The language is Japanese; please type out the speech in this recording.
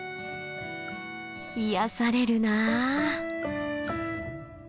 癒やされるな。